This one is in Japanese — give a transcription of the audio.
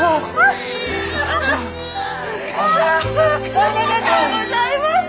おめでとうございます！